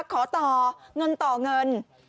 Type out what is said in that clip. ขอต่อเงินต่อเงิน